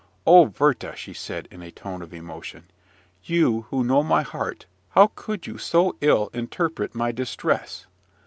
"O Werther!" she said, in a tone of emotion, "you, who know my heart, how could you so ill interpret my distress?